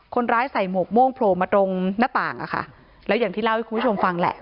ใส่หมวกโม่งโผล่มาตรงหน้าต่างอ่ะค่ะแล้วอย่างที่เล่าให้คุณผู้ชมฟังแหละ